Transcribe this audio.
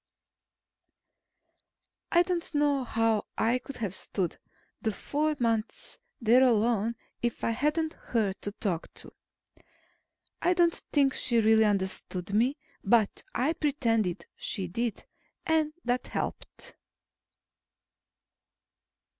I don't know how I could have stood the four months there alone, if I hadn't her to talk to. I don't think she really understood me, but I pretended she did, and that helped.